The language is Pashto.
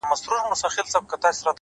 • خوارسومه انجام مي د زړه ور مـات كړ؛